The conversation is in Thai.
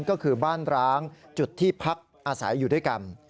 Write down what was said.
ก็คือบ้านร้างจุดที่พักอาศัยอยู่ด้วยกัน